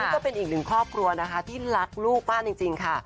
ก็เป็นอีกหนึ่งครอบครัวนะคะที่รักลูกมากจริงค่ะ